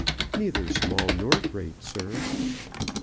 "Neither small nor great, sir."